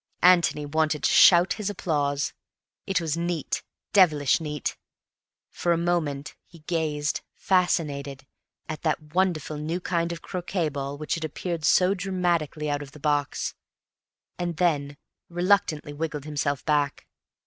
Antony wanted to shout his applause. It was neat, devilish neat. For a moment he gazed, fascinated, at that wonderful new kind of croquet ball which had appeared so dramatically out of the box, and then reluctantly wriggled himself back.